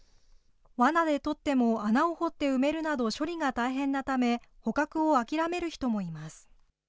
わなでとっても、穴を掘って埋めるなど、処理が大変なため、捕獲を諦める人もいます。